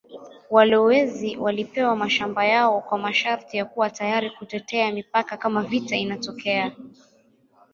Walowezi walipewa mashamba yao kwa masharti ya kuwa tayari kutetea mipaka kama vita inatokea.